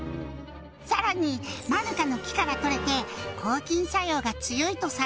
「さらにマヌカの木から採れて抗菌作用が強いとされる